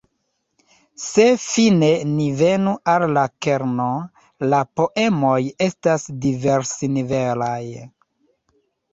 Se fine ni venu al la kerno, la poemoj estas diversnivelaj.